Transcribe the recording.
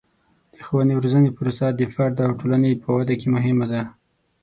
د ښوونې او روزنې پروسه د فرد او ټولنې په ودې کې مهمه ده.